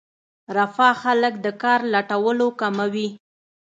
رفاه خلک د کار لټولو کموي.